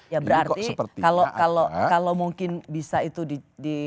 ya berarti kalau mungkin bisa itu di